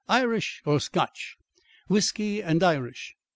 Irish or Scotch?" "Whisky and Irish."